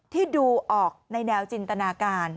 ที่ดูออกในแนวจินตนาการ